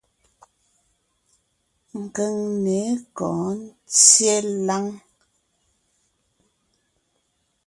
Keŋne kɔ̌ɔn ńtyê láŋ.